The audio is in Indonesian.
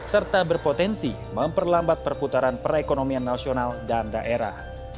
serta berpotensi memperlambat perputaran perekonomian nasional dan daerah